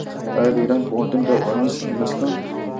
آیا د ایران په پوهنتونونو کې افغانان نشته؟